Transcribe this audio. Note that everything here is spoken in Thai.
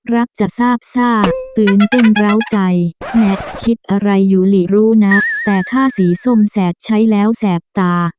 รักจะทราบซากตื่นเต้นร้าวใจแมทคิดอะไรอยู่หลีรู้นะแต่ถ้าสีส้มแสบใช้แล้วแสบตา